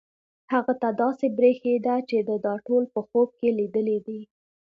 هغه ته داسې برېښېده چې ده دا ټول په خوب کې لیدلي دي.